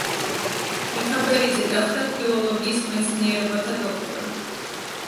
მიქაბერიძე გახდა ფილოლოგიის მეცნიერებათა დოქტორი.